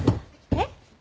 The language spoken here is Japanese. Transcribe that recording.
えっ？